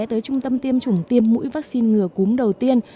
tới trung tâm tiêm chủng tiêm mũi vắc xin ngừa cúm đầu tiên